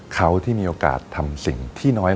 เขาที่มีโอกาสทำสิ่งที่น้อย